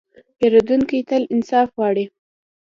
پیرودونکی تل انصاف غواړي.